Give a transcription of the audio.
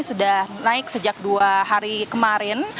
sudah naik sejak dua hari kemarin